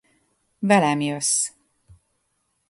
Velem jössz.